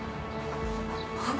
あっ。